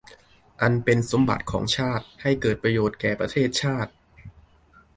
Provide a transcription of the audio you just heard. อันเป็นสมบัติของชาติให้เกิดประโยชน์แก่ประเทศชาติ